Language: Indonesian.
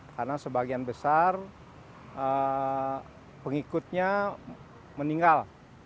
karena sebagian besar pengikutnya meninggal